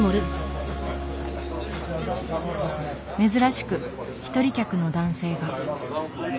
珍しく一人客の男性が。